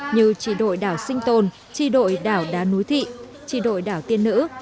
như trị đội đảo sinh tồn trị đội đảo đá núi thị trị đội đảo tiên nữ